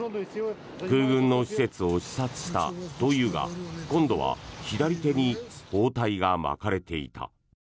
空軍の施設を視察したというが今度は左手に包帯が巻かれていた。